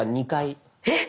えっ！